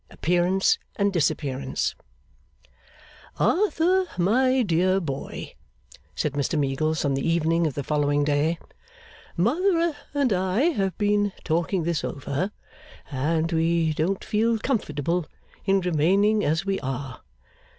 Appearance and Disappearance 'Arthur, my dear boy,' said Mr Meagles, on the evening of the following day, 'Mother and I have been talking this over, and we don't feel comfortable in remaining as we are.